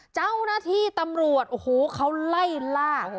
เจ้าหน้าที่ตำรวจโอ้โหเขาไล่ล่า